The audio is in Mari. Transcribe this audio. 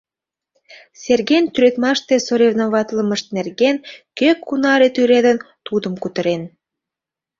Серген тӱредмаште соревноватлымышт нерген, кӧ кунаре тӱредын — тудым кутырен.